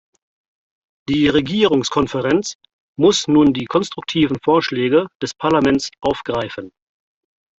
Die Regierungskonferenz muss nun die konstruktiven Vorschläge des Parlaments aufgreifen.